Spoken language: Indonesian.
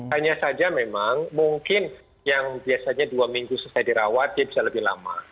hanya saja memang mungkin yang biasanya dua minggu selesai dirawat dia bisa lebih lama